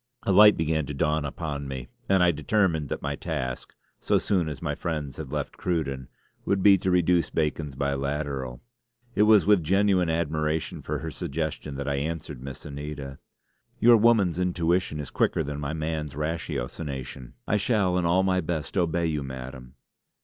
A light began to dawn upon me, and I determined that my task so soon as my friends had left Cruden would be to reduce Bacon's biliteral. It was with genuine admiration for her suggestion that I answered Miss Anita: "Your woman's intuition is quicker than my man's ratiocination. 'I shall in all my best obey you, Madam!'"